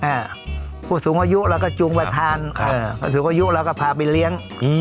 ผู้สูงอายุเราก็จูงประธานเอ่อผู้สูงอายุเราก็พาไปเลี้ยงอืม